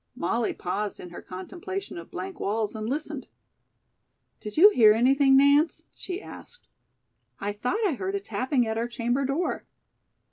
Molly paused in her contemplation of blank walls and listened. "Did you hear anything, Nance?" she asked. "I thought I heard a tapping at our chamber door."